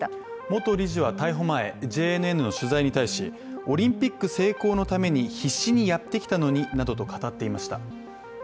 元理事は逮捕前、ＪＮＮの取材に対しオリンピック成功のために必死にやってきたのになどと語っていました。